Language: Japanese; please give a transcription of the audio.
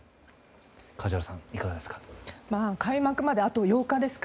梶原さん、いかがですか。